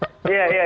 udah ngerasain gak